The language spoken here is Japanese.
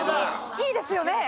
いいですよね？